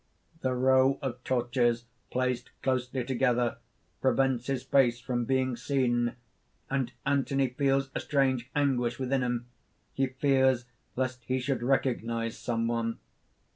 _ _The row of torches placed closely together, prevents his face from being seen; and Anthony feels a strange anguish within him. He fears lest he should recognize some one.